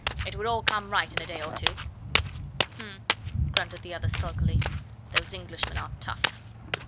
It will all come right in a day or two." "H'm!" grunted the other sulkily; "those Englishmen are tough."